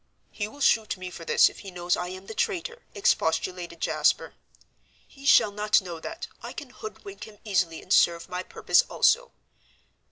"'He will shoot me for this if he knows I am the traitor,' expostulated Jasper. "'He shall not know that; I can hoodwink him easily, and serve my purpose also.'